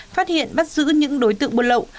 phát hiện bắt giữ những đối tượng bút lậu